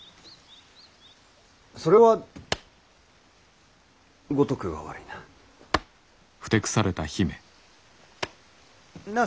それは五徳が悪いな。なあ？